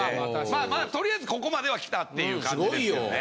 まあまあとりあえずここまでは来たっていう感じですよね。